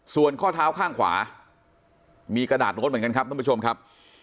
ส่วนข้อเท้าข้างขวามีกระดาษโน้ตเหมือนกันครับท่านผู้ชมครับ